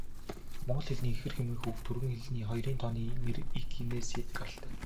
Монгол хэлний ихэр хэмээх үг түрэг хэлний хоёрын тооны нэр 'ики'-ээс гаралтай.